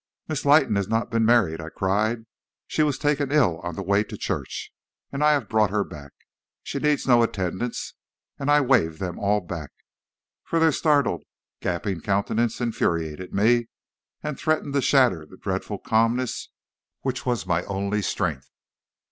"'Miss Leighton has not been married,' I cried. 'She was taken ill on the way to church, and I have brought her back. She needs no attendance.' And I waved them all back, for their startled, gaping countenances infuriated me, and threatened to shatter the dreadful calmness which was my only strength.